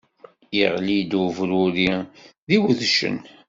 Iɣli-d ubruri d iwedcen!